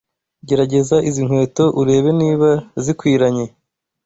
Gerageza izi nkweto urebe niba zikwiranye.